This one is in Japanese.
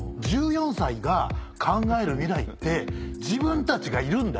１４歳が考える未来って自分たちがいるんだよ。